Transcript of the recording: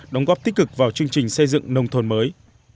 đóng góp tích cực vào chương trình xây dựng nông thôn mới